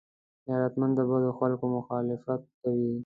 غیرتمند د بدو خلکو مخالفت کوي